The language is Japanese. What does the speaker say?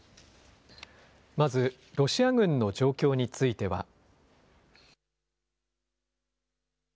まず、ロシア軍の状況については。